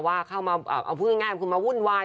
ว่าเข้ามาเอาพูดง่ายคุณมาวุ่นวาย